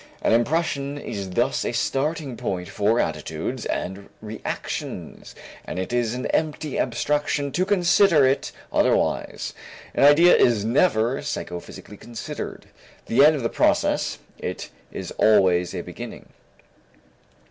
Any impression is thus a starting point for attitudes and reactions and it is an empty abstraction to consider it otherwise. An idea is never, psychophysically considered, the end of the process, it is always also a beginning.